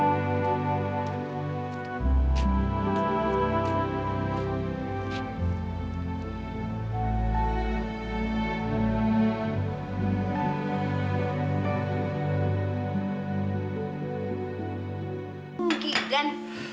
selamat malam gi kak